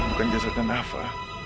bukan jasadnya nafa